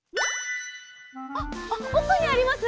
あっおくにあります？